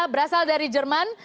berasal dari jerman